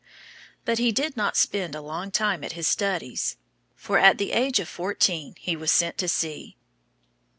But he did not spend a long time at his studies, for at the age of fourteen he went to sea.